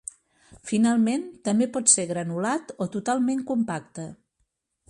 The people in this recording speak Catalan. Finalment, també pot ser granulat o totalment compacte.